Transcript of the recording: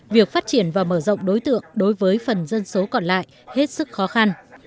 việc phát triển và mở rộng đối tượng đối với phần dân số còn lại hết sức khó khăn